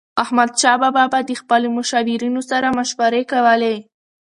احمدشاه بابا به د خپلو مشاورینو سره مشورې کولي.